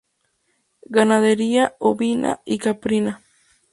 Ganadería ovina y caprina.